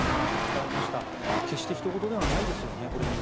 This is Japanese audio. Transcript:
これを見ると決してひと事ではないですよね。